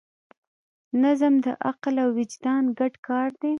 نظم د عقل او وجدان ګډ کار دی.